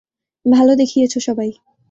ভালো দেখিয়েছ সবাই।